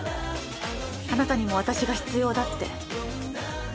あなたにも私が必要だって。